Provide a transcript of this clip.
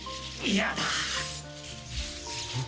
嫌だ！